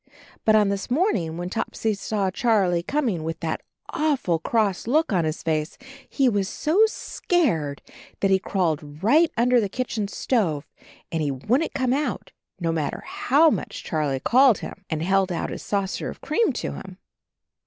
But on this morning, when Topsy saw Charlie coming with that awful cross look on his face, he was so scared that he crawled right under the kitchen stove and he wouldn't come out, no matter how much Charlie called him and held out his saucer of cream to him.